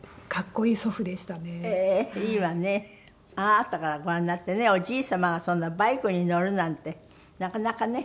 あなたからご覧になってねおじい様がそんなバイクに乗るなんてなかなかね。